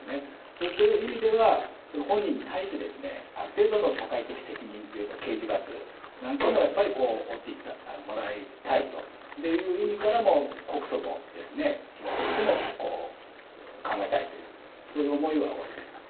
そういった意味では、本人に対して、ある程度の社会的責任というか、刑事罰なんかも、やっぱり負ってもらいたいという意味からも告訴を、被害届も考えたいという、そういう思いはおありですか？